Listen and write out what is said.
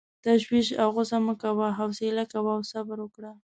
تشویش او غصه مه کوه، حوصله کوه او صبر وکړه.